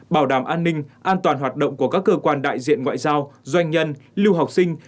bảo đảm an ninh an toàn hoạt động của các cơ quan đại diện ngoại giao doanh nhân lưu học sinh